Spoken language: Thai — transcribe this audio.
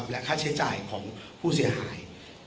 และค่าใช้จ่ายของผู้เสียหาย